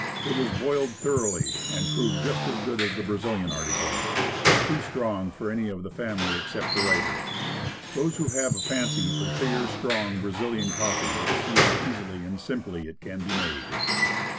It was boiled thoroughly, and proved just as good as the Brazilian article, but too strong for any of the family except the writer. Those who 98 Woodcraft. have a fancy for clear, strong ' 'Brazilian coffee," will see how easily and simply it can be made.